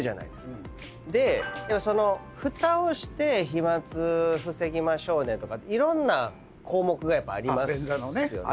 でふたをして飛沫防ぎましょうねとかいろんな項目がやっぱありますよね。